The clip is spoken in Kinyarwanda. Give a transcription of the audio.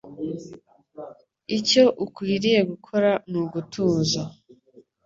Icyo Ukwiriye gukora n'ugutuza